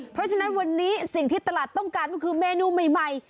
เพราะฉะนั้นวันนี้สิ่งที่ตลาดต้องการก็คือเมนูใหม่